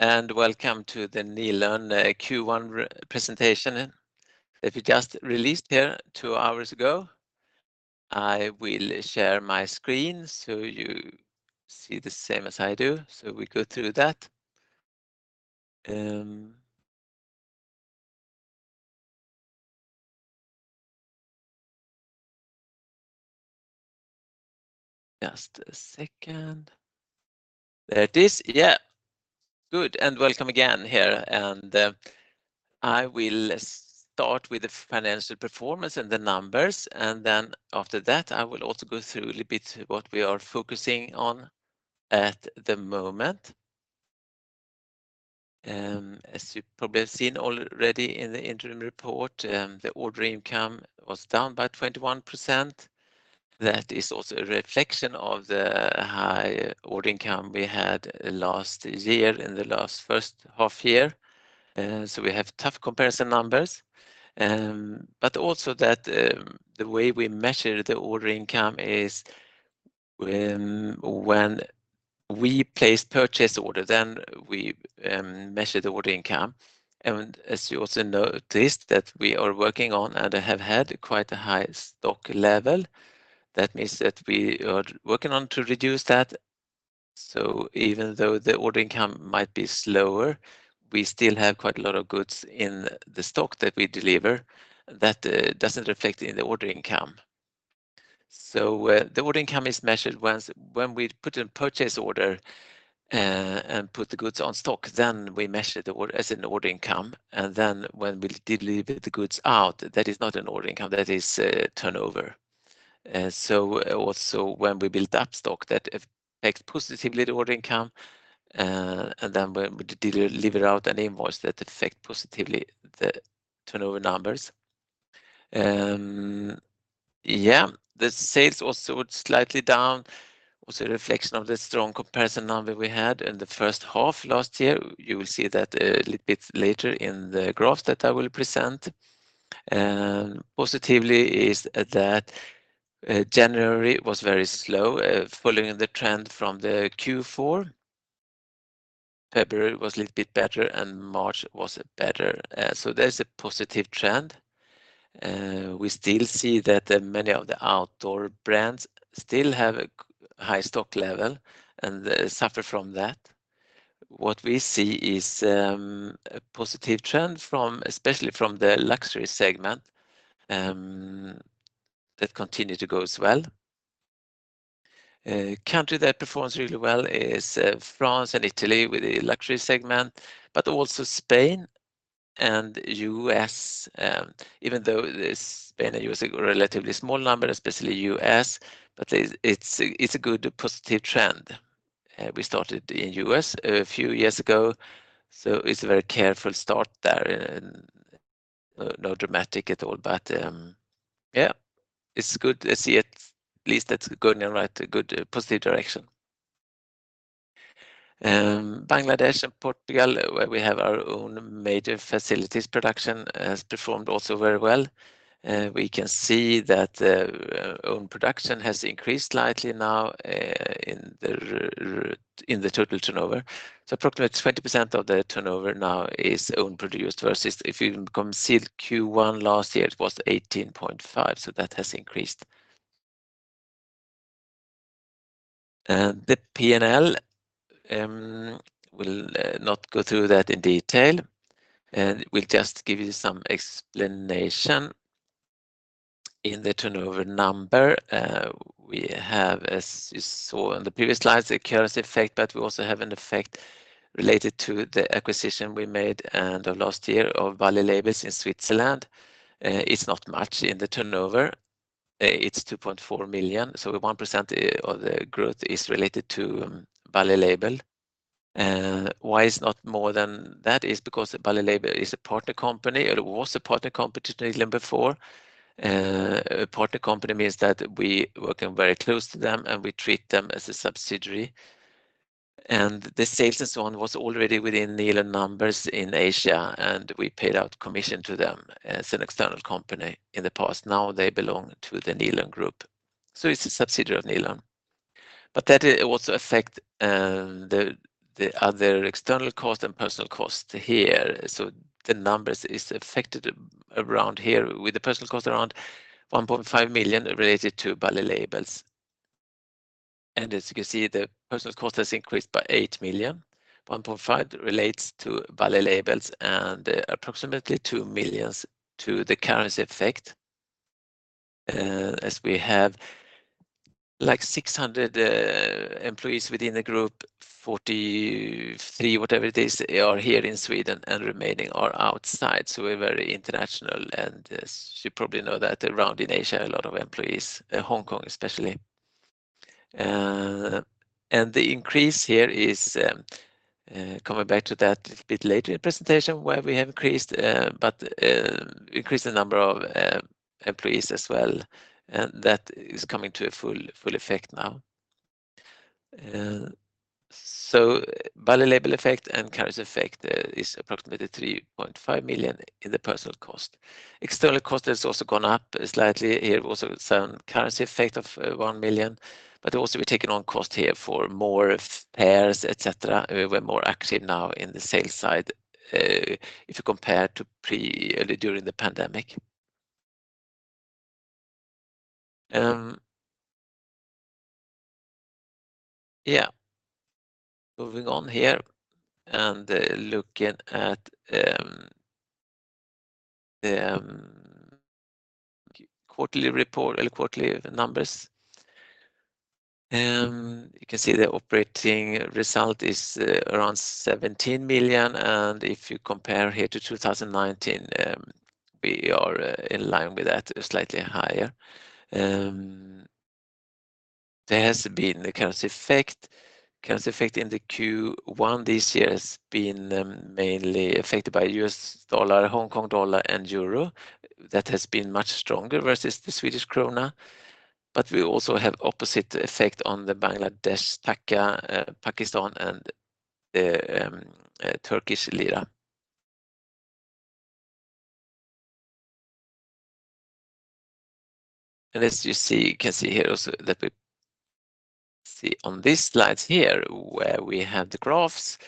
Welcome to the Nilörn Q1 presentation that we just released here 2 hours ago. I will share my screen so you see the same as I do. We go through that. Just a second. There it is. Yeah. Good. Welcome again here. I will start with the financial performance and the numbers, and then after that, I will also go through a little bit what we are focusing on at the moment. As you probably have seen already in the interim report, the order income was down by 21%. That is also a reflection of the high order income we had last year in the last first half year. We have tough comparison numbers. Also that, the way we measure the order income is when we place purchase order, then we measure the order income. As you also noticed that we are working on and have had quite a high stock level, that means that we are working on to reduce that. Even though the order income might be slower, we still have quite a lot of goods in the stock that we deliver that doesn't reflect in the order income. The order income is measured when we put in purchase order and put the goods on stock, then we measure the order as an order income. Then when we deliver the goods out, that is not an order income, that is turnover. Also when we build up stock that affect positively the order income, and then we deliver out an invoice that affect positively the turnover numbers. Yeah. The sales also went slightly down, was a reflection of the strong comparison number we had in the first half last year. You will see that a little bit later in the graphs that I will present. Positively is that January was very slow, following the trend from the Q4. February was a little bit better and March was better. There's a positive trend. We still see that many of the outdoor brands still have a high stock level and suffer from that. What we see is a positive trend from, especially from the luxury segment, that continue to go as well. Country that performs really well is France and Italy with the luxury segment, Spain and U.S. Even though the Spain and U.S. are relatively small number, especially U.S., it's a good positive trend. We started in U.S. a few years ago, it's a very careful start there and no dramatic at all. It's good. I see it at least that's going in a good positive direction. Bangladesh and Portugal, where we have our own major facilities production, has performed also very well. We can see that own production has increased slightly now in the total turnover. Approximately 20% of the turnover now is own produced versus if you consider Q1 last year, it was 18.5, that has increased. The P&L will not go through that in detail. We'll just give you some explanation. In the turnover number, we have, as you saw in the previous slides, the currency effect, but we also have an effect related to the acquisition we made end of 2022 of Bally Labels in Switzerland. It's not much in the turnover. It's 2.4 million, so 1% of the growth is related to Bally Labels. Why it's not more than that is because Bally Labels is a partner company, or it was a partner company to Nilörn before. A partner company means that we working very close to them, and we treat them as a subsidiary. The sales and so on was already within Nilörn numbers in Asia, and we paid out commission to them as an external company in the past. They belong to the Nilörn Group, it's a subsidiary of Nilörn. That also affect the other external cost and personal cost here. The numbers is affected around here with the personal cost around 1.5 million related to Bally Labels. As you can see, the personal cost has increased by 8 million. 1.5 million relates to Bally Labels and approximately 2 million to the currency effect. As we have like 600 employees within the group, 43, whatever it is, are here in Sweden and remaining are outside. We're very international. As you probably know that around in Asia, a lot of employees, Hong Kong especially. The increase here is coming back to that a bit later in presentation where we have increased, but increased the number of employees as well. That is coming to a full effect now. So Bally Labels effect and currency effect is approximately 3.5 million in the personal cost. External cost has also gone up slightly here, also some currency effect of 1 million. Also we're taking on cost here for more pairs, et cetera. We're more active now in the sales side, if you compare to during the pandemic. Moving on here and looking at the quarterly report or quarterly numbers. You can see the operating result is around 17 million, and if you compare here to 2019, we are in line with that, slightly higher. There has been a currency effect. Currency effect in the Q1 this year has been mainly affected by U.S. dollar, Hong Kong dollar and euro that has been much stronger versus the Swedish krona, but we also have opposite effect on the Bangladesh taka, Pakistan and the Turkish lira. As you can see here also that we see on this slide here where we have the graphs,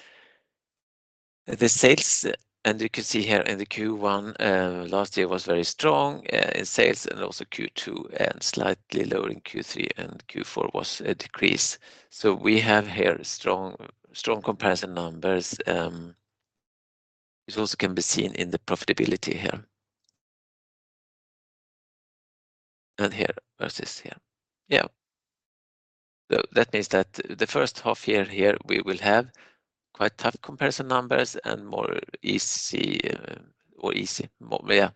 the sales, and you can see here in the Q1 last year was very strong in sales and also Q2 and slightly lower in Q3 and Q4 was a decrease. We have here strong comparison numbers which also can be seen in the profitability here. Here versus here. Yeah. That means that the first half year here we will have quite tough comparison numbers and more easy or easy. Well, yeah,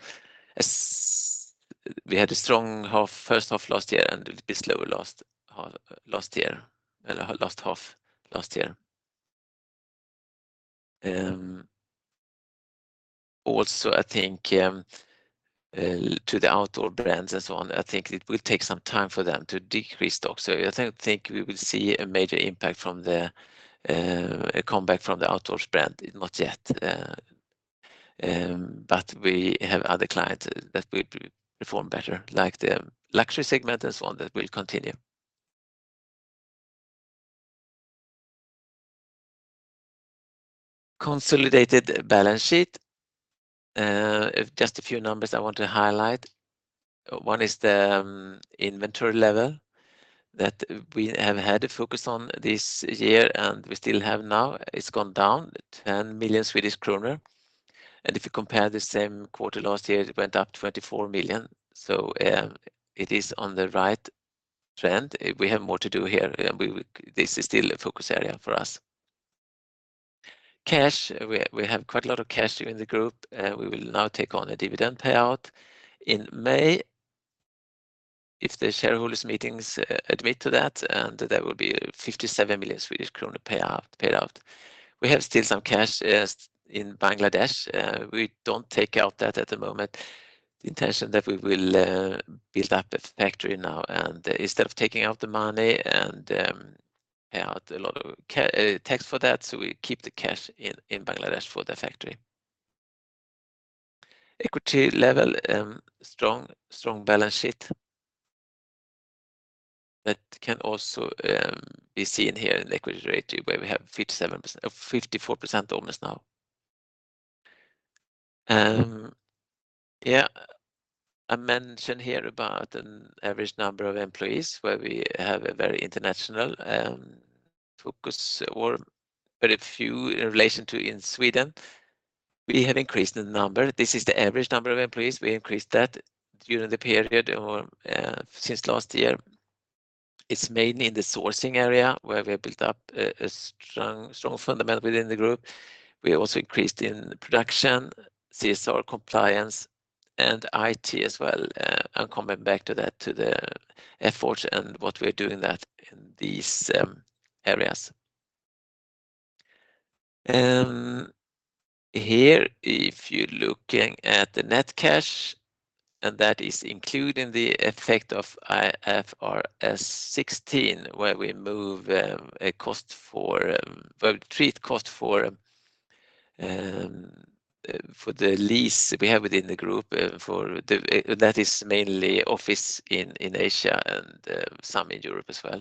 we had a strong half, first half last year, and it will be slower last half, last year, or last half last year. Also I think to the outdoor brands and so on, I think it will take some time for them to decrease stock. I think we will see a major impact from a comeback from the outdoors brand. Not yet. But we have other clients that will perform better, like the luxury segment and so on, that will continue. Consolidated balance sheet. Just a few numbers I want to highlight. One is the inventory level that we have had a focus on this year, and we still have now. It's gone down 10 million Swedish kronor. If you compare the same quarter last year, it went up 24 million. It is on the right trend. We have more to do here. This is still a focus area for us. Cash. We have quite a lot of cash here in the group. We will now take on a dividend payout in May if the shareholders meetings admit to that, and there will be 57 million Swedish krona payout paid out. We have still some cash in Bangladesh. We don't take out that at the moment. The intention that we will build up a factory now and instead of taking out the money and pay out a lot of tax for that, we keep the cash in Bangladesh for the factory. Equity level, strong balance sheet. That can also be seen here in equity where we have 57% or 54% almost now. Yeah. I mention here about an average number of employees where we have a very international focus or very few in relation to in Sweden. We have increased the number. This is the average number of employees. We increased that during the period or since last year. It's mainly in the sourcing area where we have built up a strong fundamental within the group. We also increased in production, CSR compliance and IT as well. I'm coming back to that, to the efforts and what we're doing that in these areas. Here if you're looking at the net cash, that is including the effect of IFRS 16, where we move a cost for, well, treat cost for the lease we have within the group, for the... That is mainly office in Asia and some in Europe as well.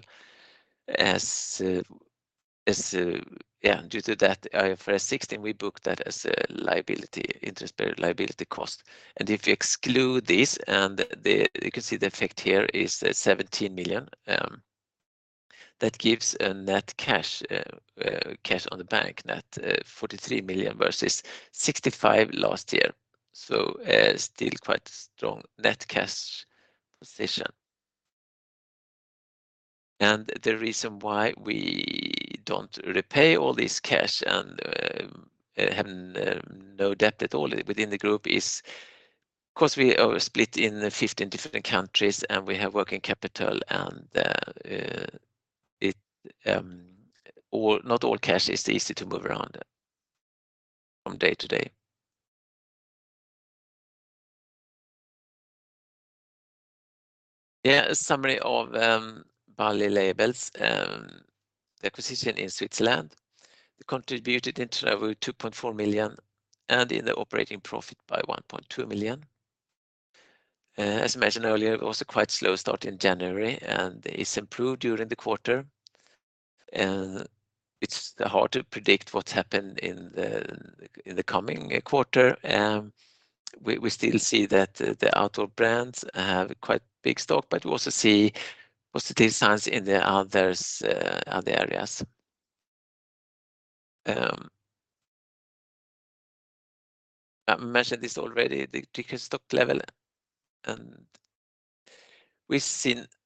Due to that IFRS 16, we book that as a liability, interest liability cost. If you exclude this, you can see the effect here is 17 million that gives a net cash cash on the bank net 43 million versus 65 million last year. Still quite strong net cash position. The reason why we don't repay all this cash and have no debt at all within the group is 'cause we are split in 15 different countries and we have working capital and it not all cash is easy to move around from day to day. A summary of Bally Labels, the acquisition in Switzerland. It contributed in turnover 2.4 million and in the operating profit by 1.2 million. As mentioned earlier, it was a quite slow start in January, and it's improved during the quarter. It's hard to predict what happened in the coming quarter. We still see that the outdoor brands have quite big stock, but we also see positive signs in the others, other areas. I mentioned this already, the stock level, and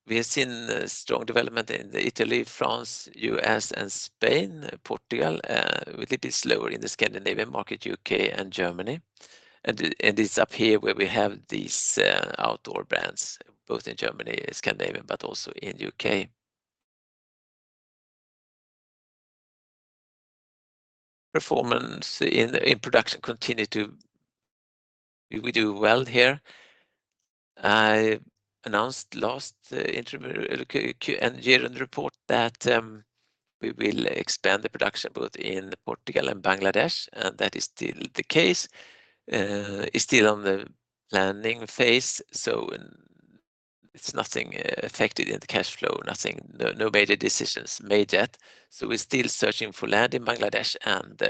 we have seen strong development in Italy, France, U.S., and Spain, Portugal, a little bit slower in the Scandinavian market, U.K. and Germany. It's up here where we have these outdoor brands, both in Germany and Scandinavia, but also in U.K. Performance in production continue to. We do well here. I announced last Q1 year-end report that we will expand the production both in Portugal and Bangladesh. That is still the case. It's still on the planning phase, so it's nothing affected in the cash flow. Nothing. No major decisions made yet. We're still searching for land in Bangladesh, and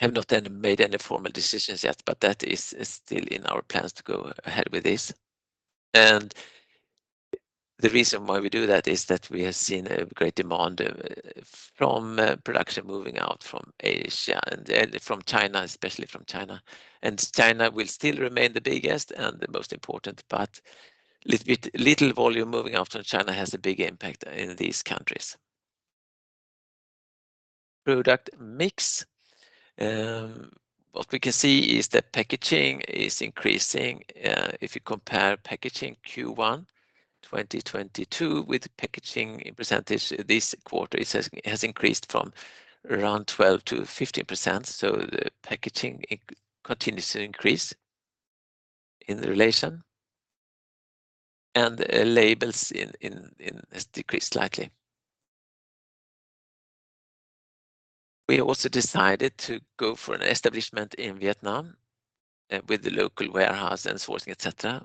we have not then made any formal decisions yet, but that is still in our plans to go ahead with this. The reason why we do that is that we have seen a great demand from production moving out from Asia and from China, especially from China. China will still remain the biggest and the most important, but little volume moving out from China has a big impact in these countries. Product mix. What we can see is that packaging is increasing. If you compare packaging Q1 2022 with packaging in percentage this quarter, it has increased from around 12%-15%, so the packaging continues to increase in relation. Labels has decreased slightly. We also decided to go for an establishment in Vietnam with the local warehouse and sourcing, et cetera.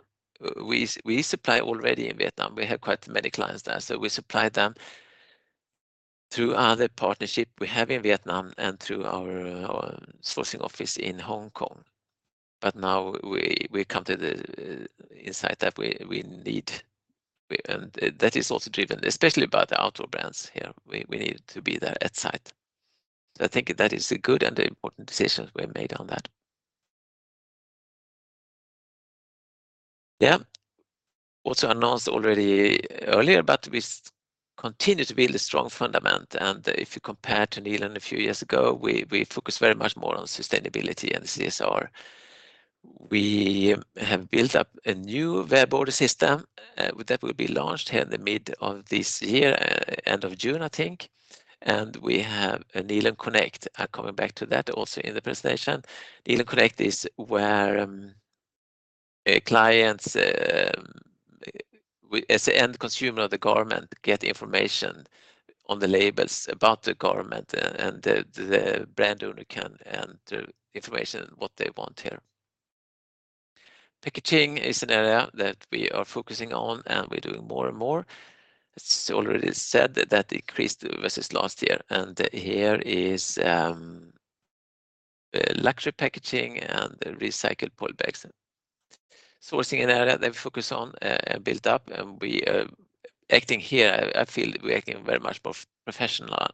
We supply already in Vietnam. We have quite many clients there, so we supply them through other partnership we have in Vietnam and through our sourcing office in Hong Kong. Now we come to the insight that we need, and that is also driven especially by the outdoor brands here. We need to be there at site. I think that is a good and important decision we made on that. Yeah. Also announced already earlier, we continue to build a strong fundament, and if you compare to Nilörn a few years ago, we focus very much more on sustainability and CSR. We have built up a new web order system that will be launched here in the mid of this year, end of June, I think. We have a Nilörn:CONNECT. I'm coming back to that also in the presentation. Nilörn:CONNECT is where clients, as the end consumer of the garment get information on the labels about the garment, and the brand owner can the information what they want here. Packaging is an area that we are focusing on, and we're doing more and more. It's already said that that increased versus last year. Here is luxury packaging and recycled polybags. Sourcing an area that we focus on and built up, and we are acting here. I feel we're acting very much more professional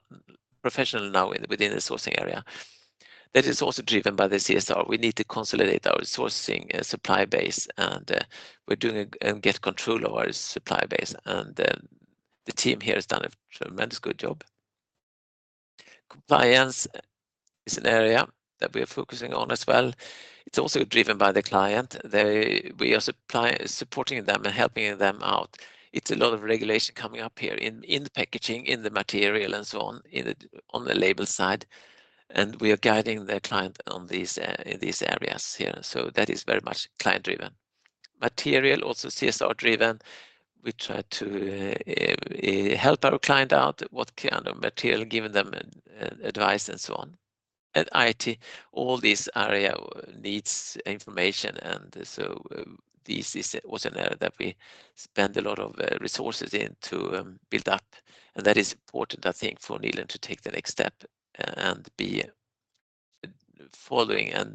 now within the sourcing area. That is also driven by the CSR. We need to consolidate our sourcing supply base, and we're doing and get control of our supply base. The team here has done a tremendous good job. Compliance is an area that we are focusing on as well. It's also driven by the client. They We are supporting them and helping them out. It's a lot of regulation coming up here in the packaging, in the material and so on the label side, and we are guiding the client on these in these areas here. That is very much client-driven. Material, also CSR-driven. We try to help our client out, what kind of material, giving them advice and so on. IT, all these area needs information. This is also an area that we spend a lot of resources in to build up. That is important, I think, for Nilörn to take the next step and be following and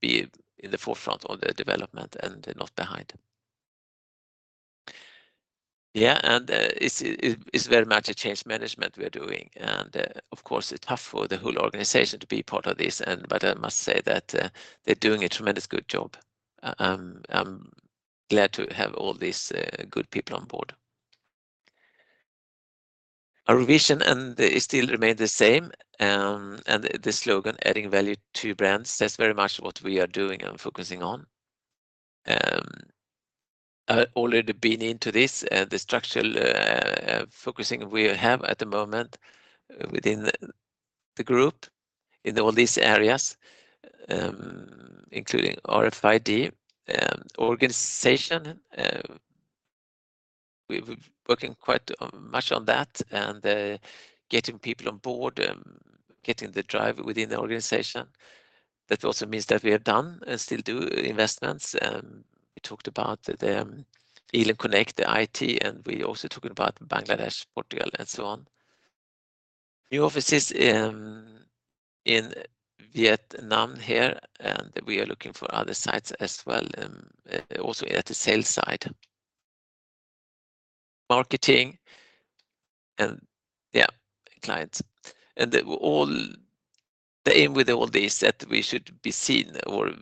be in the forefront of the development and not behind. Yeah. It's very much a change management we're doing. Of course, it's tough for the whole organization to be part of this. But I must say that they're doing a tremendous good job. I'm glad to have all these good people on board. Our vision and it still remain the same. The slogan, adding value to brands, says very much what we are doing and focusing on. I already been into this, the structural, focusing we have at the moment within the Group in all these areas, including RFID and organization. We've working quite much on that and getting people on board, getting the drive within the organization. That also means that we have done and still do investments. We talked about the Nilörn:CONNECT, the IT, and we also talked about Bangladesh, Portugal, and so on. New offices in Vietnam here, and we are looking for other sites as well, also at the sales side. Marketing and, yeah, clients. They were all... The aim with all this, that we should be seen or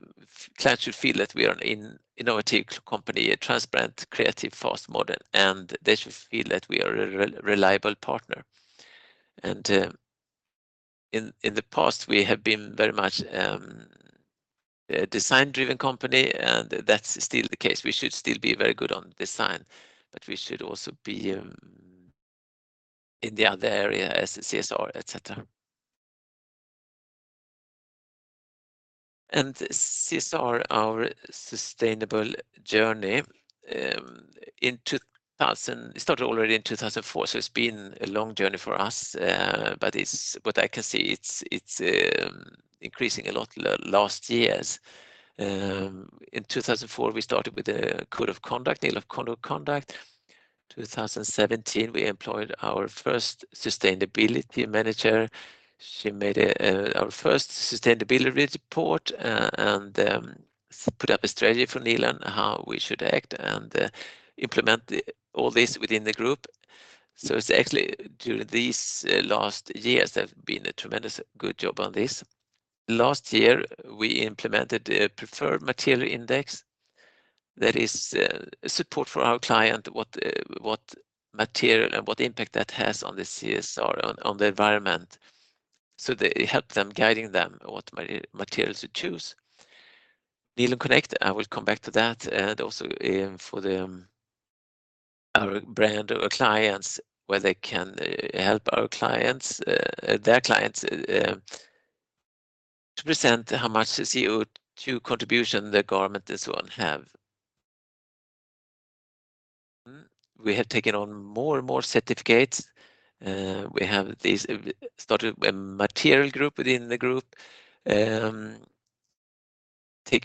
clients should feel that we are an innovative company, a transparent, creative, fast model, and they should feel that we are a reliable partner. In the past, we have been very much a design-driven company, and that's still the case. We should still be very good on design, but we should also be in the other area as CSR, et cetera. CSR, our sustainable journey, It started already in 2004, so it's been a long journey for us, but it's what I can see, it's increasing a lot last years. In 2004, we started with a Code of Conduct, Nilörn Code of Conduct. 2017, we employed our first sustainability manager. She made our first sustainability report and put up a strategy for Nilörn, how we should act and implement all this within the group. It's actually, during these last years have been a tremendous good job on this. Last year, we implemented a preferred material index that is support for our client, what material and what impact that has on the CSR, on the environment. It help them, guiding them what materials to choose. Nilörn:CONNECT, I will come back to that. Also, for our brand or clients, where they can help our clients, their clients to present how much CO2 contribution the garment, this one have. We have taken on more and more certificates. We have started a material group within the group, taken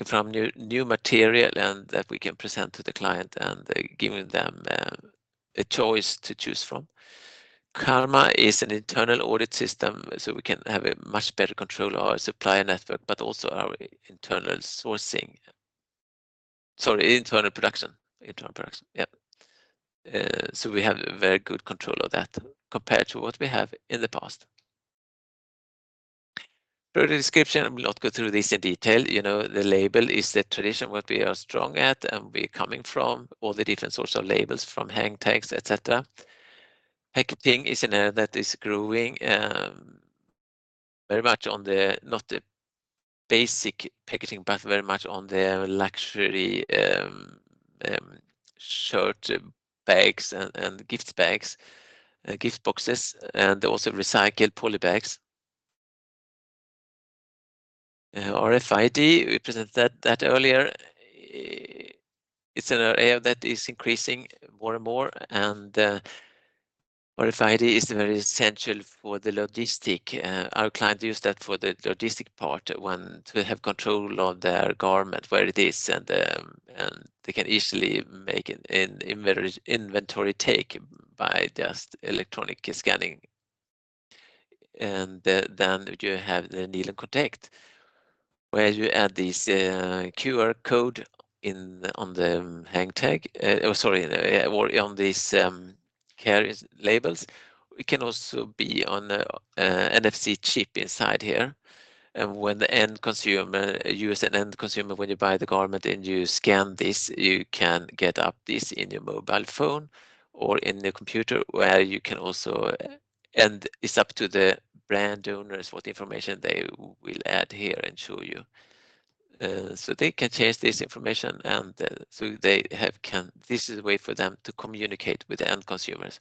from new material and that we can present to the client, and giving them a choice to choose from. Karma is an internal audit system, so we can have a much better control of our supplier network, but also our internal sourcing. Sorry, internal production. Internal production, yeah. We have very good control of that compared to what we have in the past. Product description, I will not go through this in detail. You know the label is the tradition, what we are strong at, and we're coming from all the different sorts of labels from hang tags, et cetera. Packaging is an area that is growing, very much on the, not the basic packaging, but very much on the luxury, shirt bags and gift bags, gift boxes, and also recycled poly bags. RFID, we presented that earlier. It's an area that is increasing more and more, and RFID is very essential for the logistic. Our client use that for the logistic part when to have control of their garment, where it is, and they can easily make an inventory take by just electronic scanning. Then you have the Nilörn:CONNECT, where you add this QR code on the hang tag. Or on these care labels. It can also be on a NFC chip inside here. When the end consumer... You as an end consumer, when you buy the garment and you scan this, you can get up this in your mobile phone or in the computer where you can also. It's up to the brand owners what information they will add here and show you. So they can change this information, and so they can. This is a way for them to communicate with the end consumers.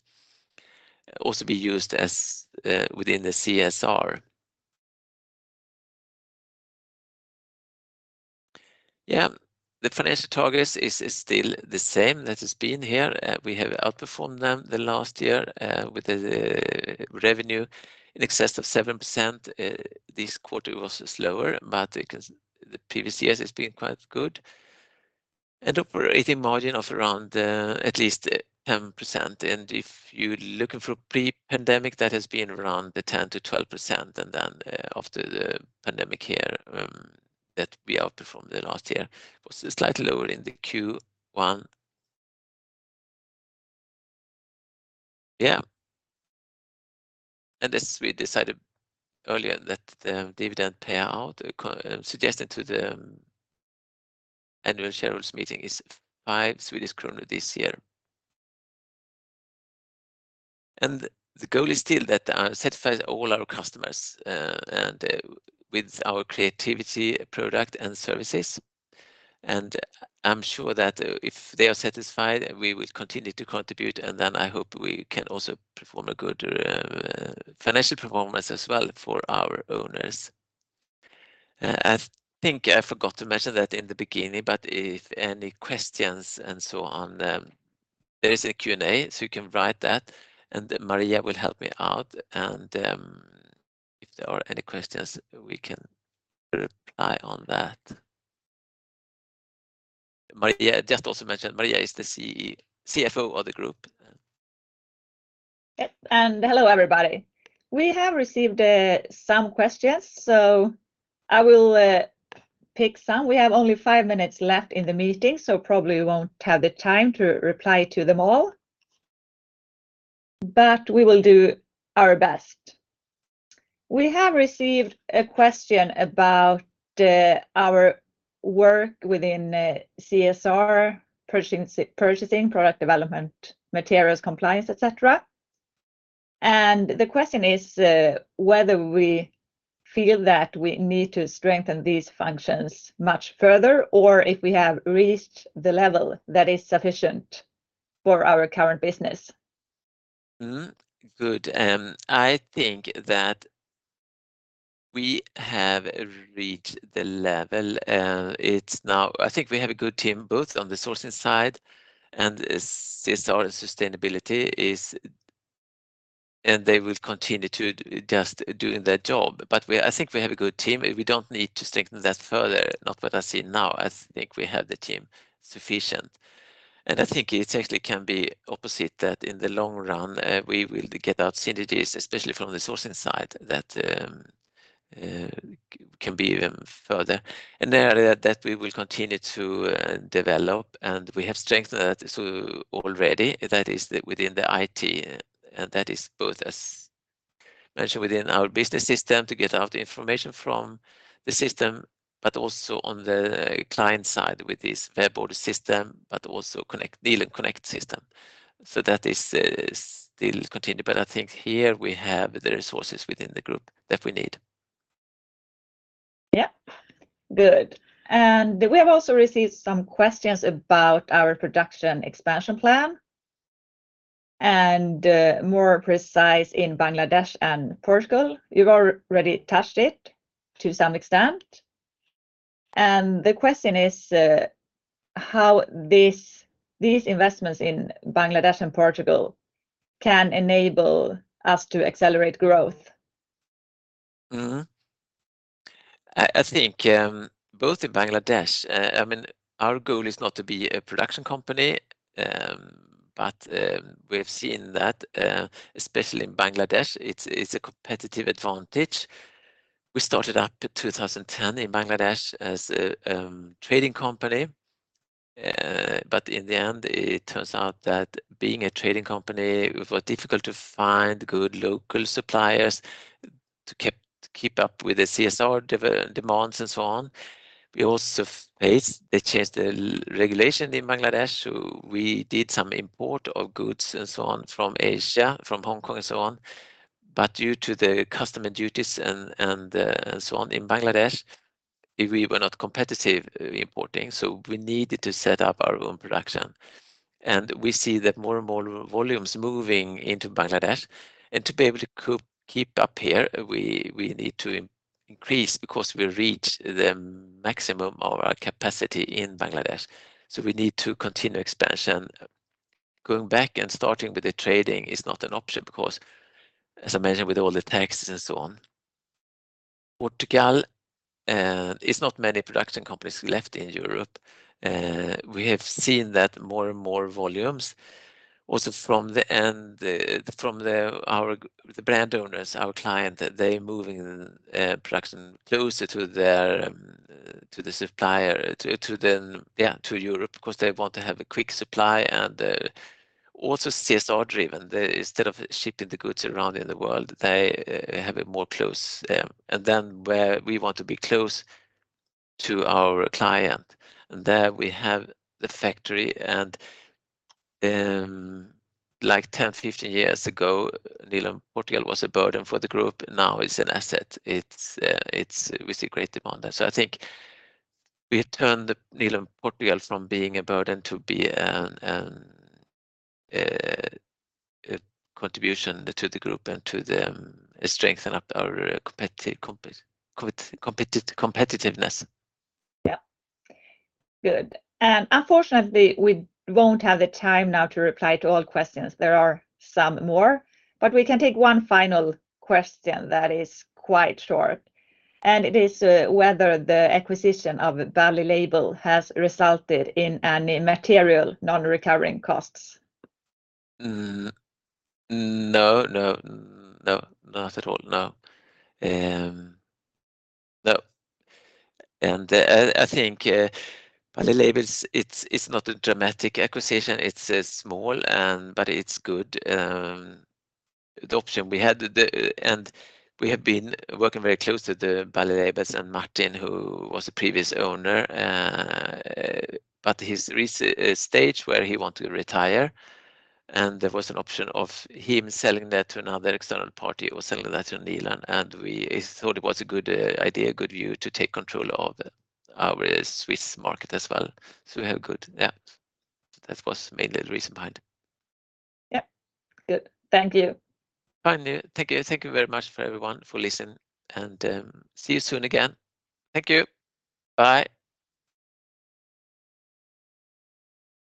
Also be used as within the CSR. Yeah. The financial targets is still the same that it's been here. We have outperformed them the last year with the revenue in excess of 7%. This quarter was slower, but the previous years has been quite good. Operating margin of around at least 10%. If you're looking for pre-pandemic, that has been around the 10%-12%. After the pandemic here, that we outperformed the last year, was slightly lower in the Q1. Yeah. As we decided earlier that the dividend payout suggested to the annual shareholders meeting is 5 Swedish kronor this year. The goal is still that satisfy all our customers, and with our creativity, product, and services. I'm sure that if they are satisfied, we will continue to contribute. I hope we can also perform a good financial performance as well for our owners. I think I forgot to mention that in the beginning, but if any questions and so on, there is a Q&A, so you can write that, and Maria will help me out. If there are any questions, we can reply on that. Maria just also mentioned Maria is the CFO of the group. Yep, hello, everybody. We have received some questions, so I will pick some. We have only 5 minutes left in the meeting, so probably won't have the time to reply to them all. We will do our best. We have received a question about our work within CSR purchasing, product development, materials compliance, et cetera. The question is whether we feel that we need to strengthen these functions much further or if we have reached the level that is sufficient for our current business. Good. I think that we have reached the level. I think we have a good team both on the sourcing side and CSR and sustainability is... They will continue to just doing their job. I think we have a good team. We don't need to strengthen that further, not what I see now. I think we have the team sufficient. I think it actually can be opposite that in the long run, we will get our synergies, especially from the sourcing side, that can be even further. An area that we will continue to develop, and we have strengthened that so already, that is within the IT, and that is both, as mentioned, within our business system to get out the information from the system but also on the client side with this web order system but also Nilörn:CONNECT system. That is still continue, but I think here we have the resources within the group that we need. Yeah. Good. We have also received some questions about our production expansion plan and, more precise in Bangladesh and Portugal. You've already touched it to some extent. The question is, how these investments in Bangladesh and Portugal can enable us to accelerate growth? I think, both in Bangladesh, I mean, our goal is not to be a production company, but, we've seen that, especially in Bangladesh, it's a competitive advantage. We started up in 2010 in Bangladesh as a, trading company, but in the end it turns out that being a trading company, it was difficult to find good local suppliers to keep up with the CSR demands and so on. We also faced the change the regulation in Bangladesh, so we did some import of goods and so on from Asia, from Hong Kong and so on. Due to the custom and duties and, so on in Bangladesh, we were not competitive importing, so we needed to set up our own production. We see that more and more volumes moving into Bangladesh. To be able to co-keep up here, we need to increase because we reach the maximum of our capacity in Bangladesh. We need to continue expansion. Going back and starting with the trading is not an option because, as I mentioned, with all the taxes and so on. Portugal. It's not many production companies left in Europe. We have seen that more and more volumes also from the end, from the, our, the brand owners, our client, they're moving production closer to their to the supplier, to then to Europe because they want to have a quick supply and also CSR driven. They instead of shipping the goods around in the world, they have it more close. Then where we want to be close to our client, and there we have the factory. Like 10, 15 years ago, Nilörn Portugal was a burden for the group. Now it's an asset. It's, we see great demand there. I think we turned Nilörn Portugal from being a burden to be a contribution to the group and to the strengthen up our competitiveness. Yeah. Good. Unfortunately, we won't have the time now to reply to all questions. There are some more, but we can take one final question that is quite short. It is whether the acquisition of Bally Labels has resulted in any material non-recurring costs. No, no, not at all, no. No. I think Bally Labels, it's not a dramatic acquisition. It's small and, but it's good adoption. We have been working very close to Bally Labels and Martin, who was the previous owner. His stage where he want to retire, and there was an option of him selling that to another external party or selling that to Nilörn, and we thought it was a good idea, good view to take control of our Swiss market as well. We have good, yeah. That was mainly the reason behind it. Yeah. Good. Thank you. Finally. Thank you. Thank you very much for everyone for listen, and, see you soon again. Thank you. Bye.